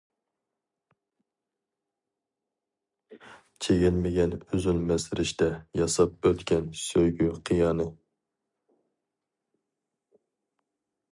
چىگىلمىگەن ئۈزۈلمەس رىشتە ياساپ ئۆتكەن سۆيگۈ قىيانى.